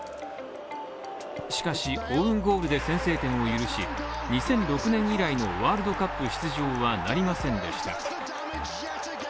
しかし、オウンゴールで先制点を許し、２００６年以来のワールドカップ出場はなりませんでした。